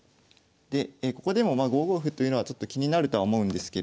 でここでも５五歩というのはちょっと気になるとは思うんですけれども。